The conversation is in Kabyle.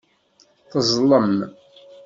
Teẓẓlem.